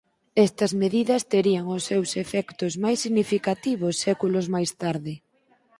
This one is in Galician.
Estas medidas terían os seus efectos máis significativos séculos máis tarde.